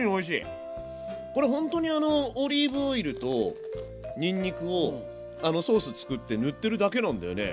これほんとにあのオリーブオイルとにんにくをあのソース作って塗ってるだけなんだよね。